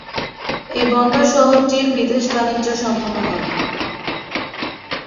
এই বন্দর শহরটির বিদেশ বাণিজ্য সম্পন্ন করে।